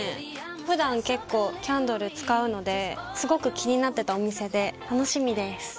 普段結構キャンドル使うのですごく気になってたお店で楽しみです。